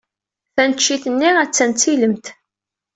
Taneččit-nni attan tilemt.